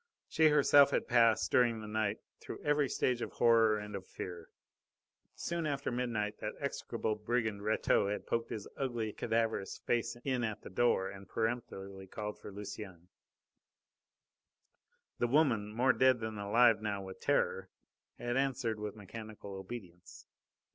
She herself had passed, during the night, through every stage of horror and of fear. Soon after midnight that execrable brigand Rateau had poked his ugly, cadaverous face in at the door and peremptorily called for Lucienne. The woman, more dead than alive now with terror, had answered with mechanical obedience.